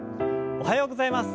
おはようございます。